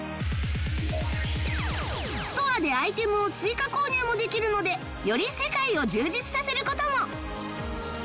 ストアでアイテムを追加購入もできるのでより世界を充実させる事も